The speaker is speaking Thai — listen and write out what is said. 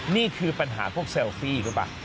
นี่คือปัญหาพวกเซลฟี่หรือเปล่า